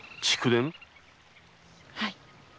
はい。